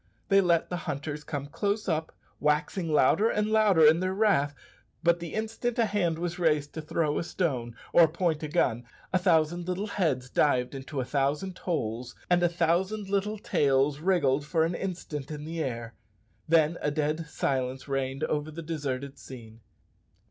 They let the hunters come close up, waxing louder and louder in their wrath; but the instant a hand was raised to throw a stone or point a gun, a thousand little heads dived into a thousand holes, and a thousand little tails wriggled for an instant in the air then a dead silence reigned over the deserted scene.